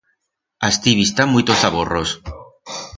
Asti bi'stá muitos zaborros.